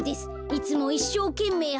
いつもいっしょうけんめい